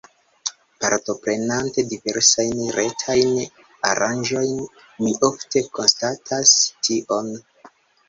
Partoprenante diversajn retajn aranĝojn, mi ofte konstatas tion.